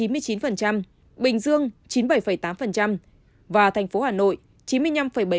bình dương chín mươi bảy tám và thành phố hà nội chín mươi năm bảy